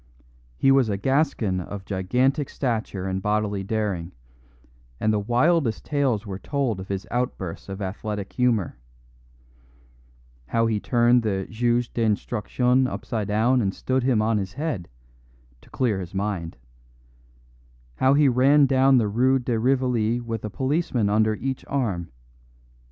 He was a Gascon of gigantic stature and bodily daring; and the wildest tales were told of his outbursts of athletic humour; how he turned the juge d'instruction upside down and stood him on his head, "to clear his mind"; how he ran down the Rue de Rivoli with a policeman under each arm.